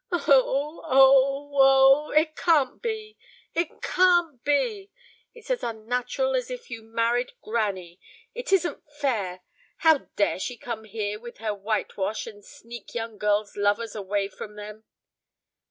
"Oh! Oh! Oh! It can't be. It can't be. It's as unnatural as if you married granny. It isn't fair. How dare she come here with her whitewash and sneak young girls' lovers away from them?"